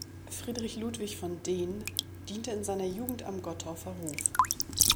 Friedrich Ludwig von Dehn diente in seiner Jugend am Gottorfer Hof.